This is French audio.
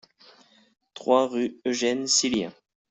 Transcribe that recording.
trois rue Eugène Sillien